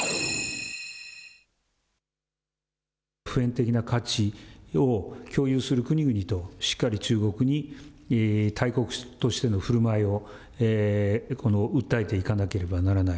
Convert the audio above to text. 普遍的な価値を共有する国々としっかり中国に大国としてのふるまいを訴えていかなければならない。